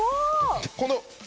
この。